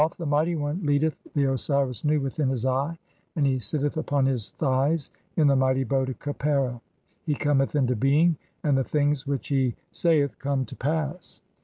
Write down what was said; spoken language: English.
Thoth, the 'mighty one, leadeth the Osiris Nu (3i) within his eye, and 'he sitteth [upon his] thigh[s] in the mighty boat of Khepera ; 'he cometh into being, and the things which he saith come to 'pass.